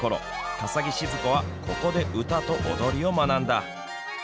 笠置シヅ子はここで歌と踊りを学んだ。